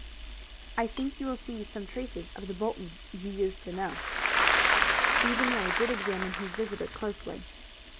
"I think you will see some traces of the Bolton you used to know." Stephen Ray did examine his visitor closely.